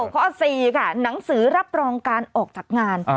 ข้อ๔ค่ะหนังสือรับรองการออกจากงาน